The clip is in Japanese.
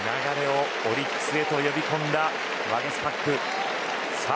流れをオリックスへと呼び込んだワゲスパック。